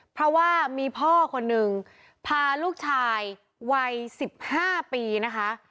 เพราะว่ามีพ่อคนนึงพาลูกชายวัย๑๕ปีนะคะ